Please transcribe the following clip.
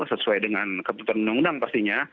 sesuai dengan keputusan undang undang pastinya